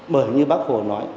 bởi như bác hồ nói